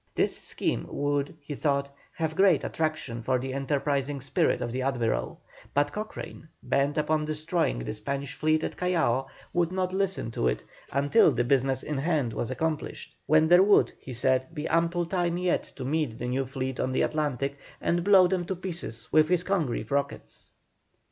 This scheme would, he thought, have great attraction for the enterprising spirit of the Admiral, but Cochrane, bent upon destroying the Spanish fleet at Callao, would not listen to it until the business in hand was accomplished, when there would, he said, be ample time yet to meet the new fleet on the Atlantic and blow them to pieces with his Congreve rockets.